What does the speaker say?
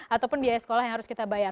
ataupun biaya sekolah yang harus kita bayar